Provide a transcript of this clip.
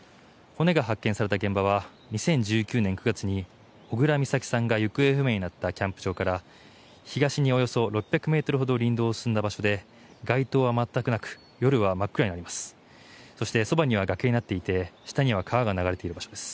骨が発見された現場は２０１９年９月に小倉美咲さんが行方不明になったキャンプ場から東におよそ６００ｍほど林道を進んだ場所で街灯は全くなく夜は真っ暗になります。